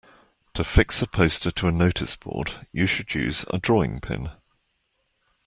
To fix a poster to a noticeboard you should use a drawing pin